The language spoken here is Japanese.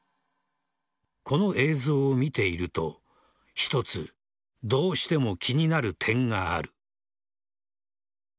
この映像を見ていると一つどうしても気になる点がある。